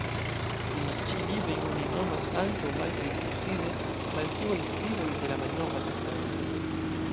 Tiujn ĉi librojn oni nomas ankaŭ, malpli precize, "malfruaj skriboj de la Malnova Testamento".